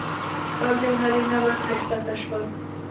ښځې او نارینه به ترې ښکته شول.